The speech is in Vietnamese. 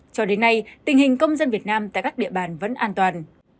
cho đến nay tình hình công dân việt nam tại các địa bàn vẫn an toàn